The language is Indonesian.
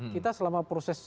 kita selama proses